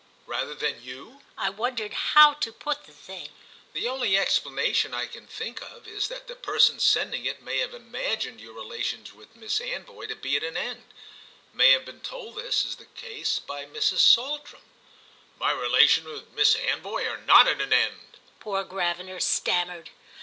"Rather than you?" I wondered how to put the thing. "The only explanation I can think of is that the person sending it may have imagined your relations with Miss Anvoy to be at an end—may have been told this is the case by Mrs. Saltram." "My relations with Miss Anvoy are not at an end," poor Gravener stammered.